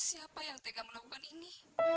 siapa yang tega melakukan ini